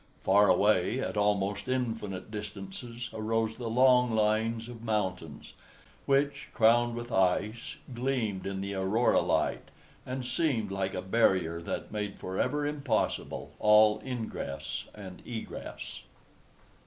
Far away, at almost infinite distances, arose the long lines of mountains, which, crowned with ice, gleamed in the aurora light, and seemed like a barrier that made forever impossible all ingress and egress.